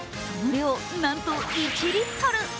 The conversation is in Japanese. その量、なんと１リットル。